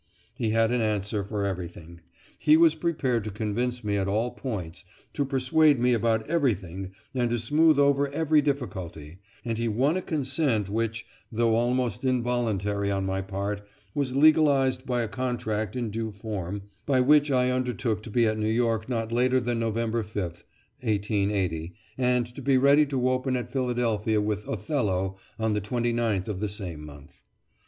He had an answer for everything, he was prepared to convince me at all points, to persuade me about everything, and to smooth over every difficulty, and he won a consent which, though almost involuntary on my part, was legalised by a contract in due form, by which I undertook to be at New York not later than November 05, 1880, and to be ready to open at Philadelphia with "Othello" on the 29th of the same month.